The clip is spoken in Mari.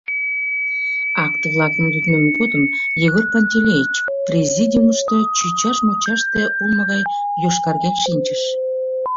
Акт-влакым лудмем годым Егор Пантелеич президиумышто чӱчаш мучаште улмо гай йошкарген шинчыш.